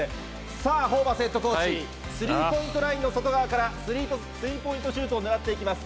さあ、ホーバスヘッドコーチ、スリーポイントラインの外側から、スリーポイントシュートを狙っていきます。